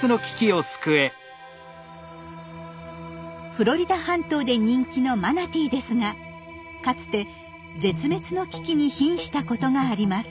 フロリダ半島で人気のマナティーですがかつて絶滅の危機にひんしたことがあります。